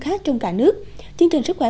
khác trong cả nước chương trình sức khỏe